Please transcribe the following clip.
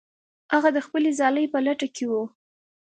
هغه د خپلې ځالې په لټه کې و.